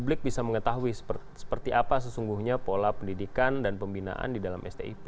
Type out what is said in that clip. publik bisa mengetahui seperti apa sesungguhnya pola pendidikan dan pembinaan di dalam stip